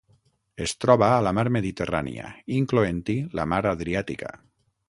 Es troba a la Mar Mediterrània, incloent-hi la Mar Adriàtica.